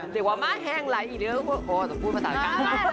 เดี๋ยวว่ามาแห้งไหลกอีกพูดภาษาละกัน